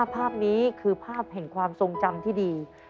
ภาพนี้คือภาพแห่งความทรงจำที่ดี